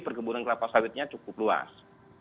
perkebunan kelapa sawitnya cukup luas